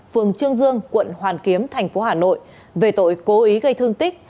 phường trương dương quận hoàn kiếm thành phố hà nội về tội cố ý gây thương tích